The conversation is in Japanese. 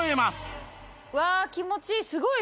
うわあ気持ちいい！